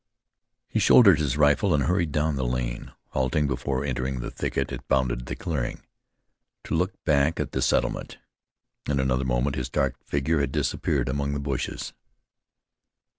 He shouldered his rifle, and hurried down the lane, halting before entering the thicket that bounded the clearing, to look back at the settlement. In another moment his dark figure had disappeared among the bushes.